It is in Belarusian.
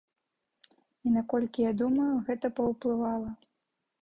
І наколькі я думаю, гэта паўплывала.